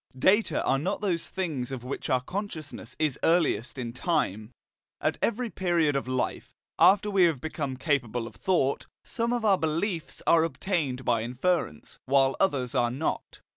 Data are not those things of which our consciousness is earliest in time. At every period of life, after we have become capable of thought, some of our beliefs are obtained by inference, while others are not.